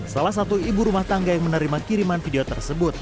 salah satu ibu rumah tangga yang menerima kiriman video tersebut